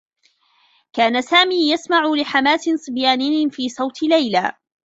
كان سامي يسمع لحماس صبياني في صوت ليلى.